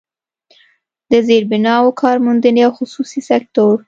د زيربناوو، کارموندنې او خصوصي سکتور